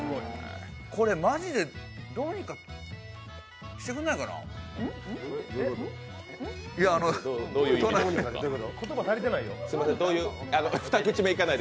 これ、マジで、どうにかしてくれないかな。